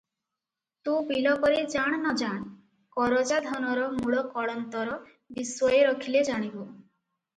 "ତୁ ବିଲ କରି ଜାଣ ନ ଜାଣ, କରଜା ଧନର ମୂଳ କଳନ୍ତର ବିଶ୍ଵଏ ରଖିଲେ, ଜାଣିବୁ।"